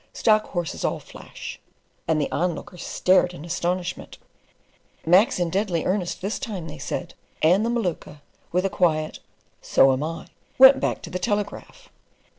Stock horses all flash"; and the onlookers stared in astonishment. "Mac's in deadly earnest this time," they said, and the Maluka, with a quiet "So am I," went back to the telegraph.